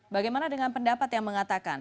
bagaimana dengan pendapat yang mengatakan